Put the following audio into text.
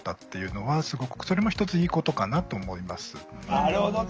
なるほどね。